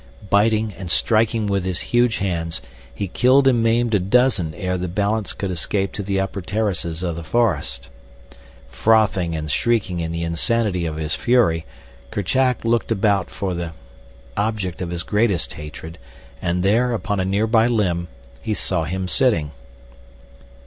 Biting, and striking with his huge hands, he killed and maimed a dozen ere the balance could escape to the upper terraces of the forest. Frothing and shrieking in the insanity of his fury, Kerchak looked about for the object of his greatest hatred, and there, upon a near by limb, he saw him sitting.